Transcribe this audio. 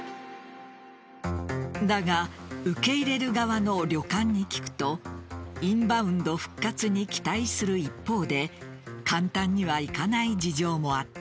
だが、受け入れる側の旅館に聞くとインバウンド復活に期待する一方で簡単にはいかない事情もあった。